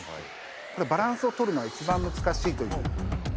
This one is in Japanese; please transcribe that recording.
これはバランスをとるのが一番難しいという芸です。